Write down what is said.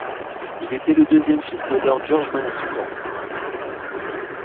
Il était le deuxième fils de Lord George Manners-Sutton.